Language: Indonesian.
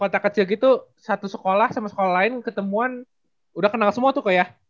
kota kecil gitu satu sekolah sama sekolah lain ketemuan udah kenal semua tuh kok ya